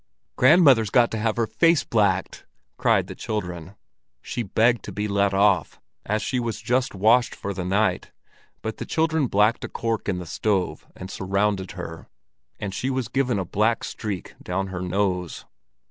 "Grandmother's got to have her face blacked!" cried the children. She begged to be let off, as she was just washed for the night; but the children blacked a cork in the stove and surrounded her, and she was given a black streak down her nose.